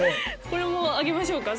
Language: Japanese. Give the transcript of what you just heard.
これもあげましょうか？